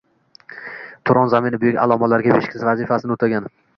Turon zamini buyuk allomalarga beshik vazifasini o‘tagan.